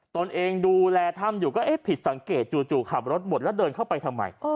ตนเองดูแลถ้ำอยู่ก็เอ๊ะผิดสังเกตจู่ขับรถบดแล้วเดินเข้าไปทำไม